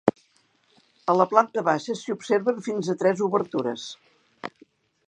A la planta baixa s'hi observen fins a tres obertures.